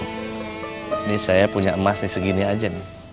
ini saya punya emas di segini aja nih